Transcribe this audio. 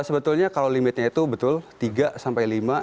sebetulnya kalau limitnya itu betul tiga sampai lima